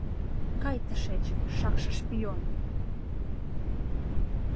Кай тышеч, шакше шпион!